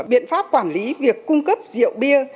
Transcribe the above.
biện pháp quản lý việc cung cấp rượu bia